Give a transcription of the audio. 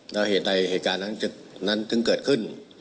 แล้วเหตุใดเหตุการณ์นั้นจึงเกิดขึ้น